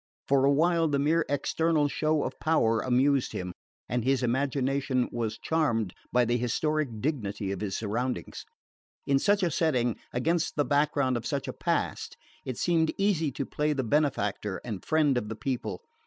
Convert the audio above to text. For a while the mere external show of power amused him, and his imagination was charmed by the historic dignity of his surroundings. In such a setting, against the background of such a past, it seemed easy to play the benefactor and friend of the people.